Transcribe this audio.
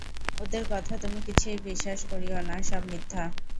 ওদের কথা তুমি কিছুই বিশ্বাস করিয়ো না–সব মিথ্যা।